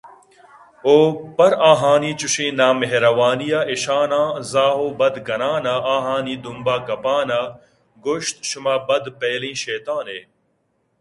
ءُ پرآہانی چُشیں نامہروانی ءَ ایشاناں زاہ ءُ بد کنان ءَ آہانی دمب ءَکپان ءَ گوٛشت شُما بد فعلیں شیطانے